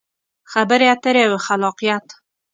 خبرې اترې او خلاقیت: